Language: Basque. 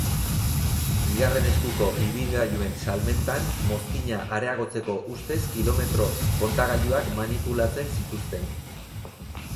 Bigarren eskuko ibilgailuen salmentan mozkina areagotzeko ustez kilometro-kontagailuak manipulatzen zituzten.